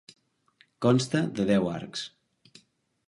Consta de deu arcs.